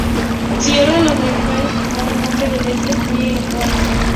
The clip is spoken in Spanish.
Cicerón lo menciona como un hombre de letras y muy elocuente.